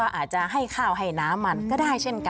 อาจจะให้ข้าวให้น้ำมันก็ได้เช่นกัน